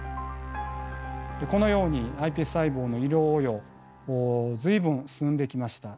このようにｉＰＳ細胞の医療応用随分進んできました。